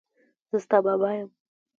زه ستا بابا یم.